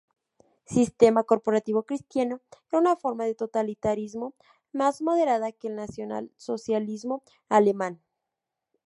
Sistema corporativo cristiano, era una forma de totalitarismo más moderada que el nacionalsocialismo alemán.